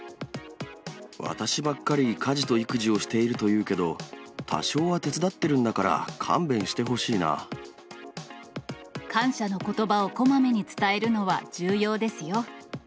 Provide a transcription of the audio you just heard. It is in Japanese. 私ばっかり家事と育児をしているというけど、多少は手伝って感謝のことばをこまめに伝えるのは重要ですよ。